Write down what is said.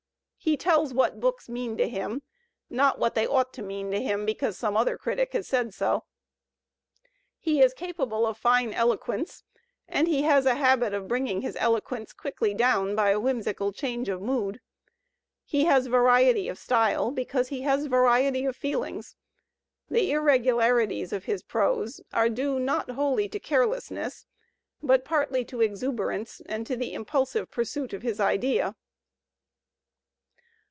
He tells what books mean to him, not what they ought to mean to him because some other critic has said so. He is capable of fine eloquence, and he has a habit of bringing his eloquence quickly down by whimsical change of mood. He has variety of style because he has variety of feelings. The irregularities of his prose are due not wholly to carelessness, but partly to exuberance and to the impulsive pursuit of his idea.